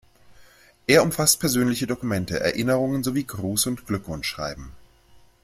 Er umfasst persönliche Dokumente, Erinnerungen sowie Gruß- und Glückwunschschreiben.